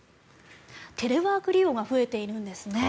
テレワーク利用が増えているんですね。